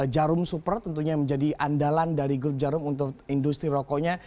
jarum super tentunya yang menjadi andalan dari grup jarum untuk industri rokoknya